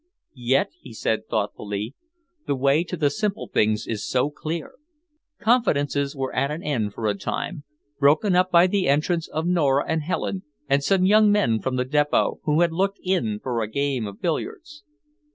"Yet," he said thoughtfully, "the way to the simple things is so clear." Confidences were at an end for a time, broken up by the entrance of Nora and Helen, and some young men from the Depot, who had looked in for a game of billiards.